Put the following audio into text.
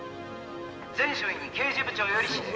「全署員に刑事部長より指令」